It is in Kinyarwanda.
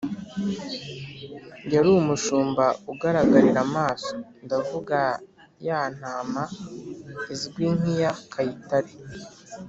yari umushumba ugaragarira amaso (ndavuga ya ntama izwi nk'iya kayitare).